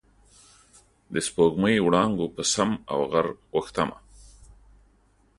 د سپوږمۍ وړانګو په سم او غر غوښتمه